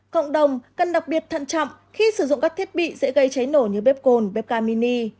cộng đồng cần đặc biệt thận trọng khi sử dụng các thiết bị sẽ gây cháy nổ như bếp cồn bếp ga mini